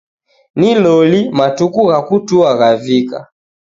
Ni loli, matuku gha kutua ghavika.